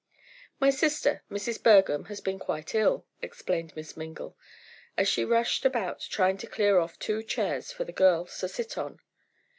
"My sister, Mrs. Bergham, has been quite ill," explained Miss Mingle, as she rushed about trying to clear off two chairs for the girls to sit on.